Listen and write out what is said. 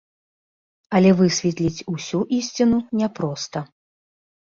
Але высветліць усю ісціну няпроста.